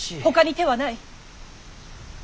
ほかに手はない。